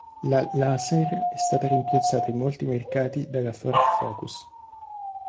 La Laser è stata rimpiazzata in molti mercati dalla Ford Focus.